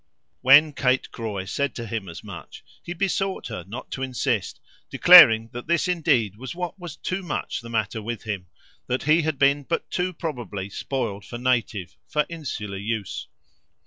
When Kate Croy said to him as much he besought her not to insist, declaring that this indeed was what was gravely the matter with him, that he had been but too probably spoiled for native, for insular use.